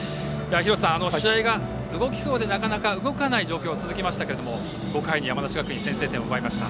廣瀬さん、試合が動きそうでなかなか動かない状況が続きましたけれども５回に山梨学院が先制点を奪いました。